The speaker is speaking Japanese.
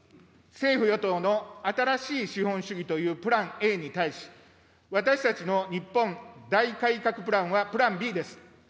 政府・与党の新しい資本主義というプランＡに対し、私たちの日本大改革プランはプランＢです。